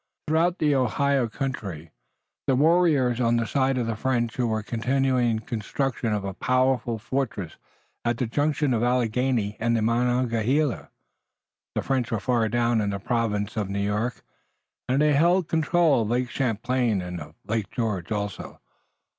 Throughout the Ohio country the warriors were on the side of the French who were continuing the construction of the powerful fortress at the junction of the Alleghany and the Monongahela. The French were far down in the province of New York, and they held control of Lake Champlain and of Lake George also.